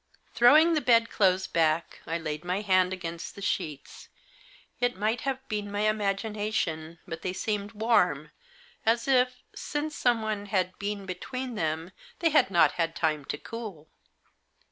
Throwing the bedclothes back, I laid my hand against the sheets. It might have been my imagina tion, but they seemed warm, as if, since someone had been between them, they had not had time to cool.